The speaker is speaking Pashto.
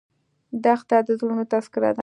دښته د زړونو تذکره ده.